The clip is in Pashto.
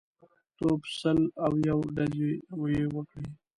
توپ سل او یو ډزې یې وکړې.